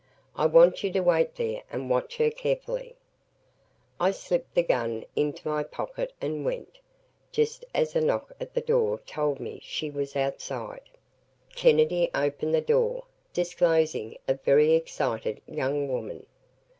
"I want you to wait there and watch her carefully." I slipped the gun into my pocket and went, just as a knock at the door told me she was outside. Kennedy opened the door, disclosing a very excited young woman.